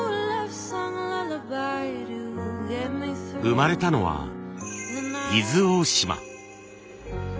生まれたのは伊豆大島。